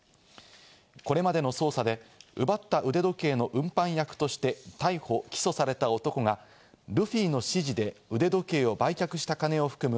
これまでの捜査で奪った腕時計の運搬役として逮捕・起訴された男がルフィの指示で腕時計を売却した金を含む